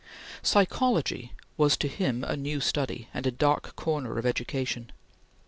Psychology was to him a new study, and a dark corner of education.